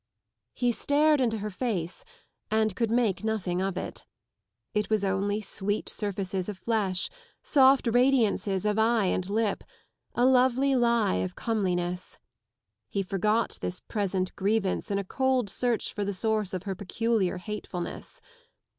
He stared into her face and could make nothing of it. It was only sweet surfaces of flesh, soft radiances of eye and lip, a lovely lie of comeliness. He forgot this present grievance in a cold search for the source of her peculiar hatefulness.